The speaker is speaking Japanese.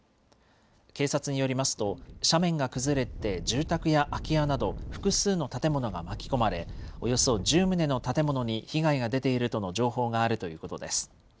警察によりますと、斜面が崩れて住宅や空き家など複数の建物が巻き込まれ、およそ１０棟の建物に被害が出ているとの情報があるということです。